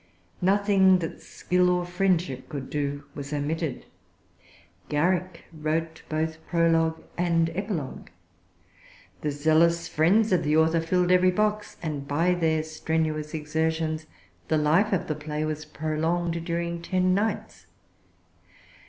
Nothing that skill or friendship could do was omitted. Garrick wrote both prologue and epilogue. The zealous friends of the author filled every box; and by their strenuous exertions, the life of the play was prolonged during ten nights.